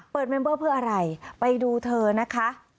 เมมเบอร์เพื่ออะไรไปดูเธอนะคะ